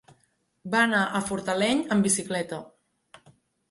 Va anar a Fortaleny amb bicicleta.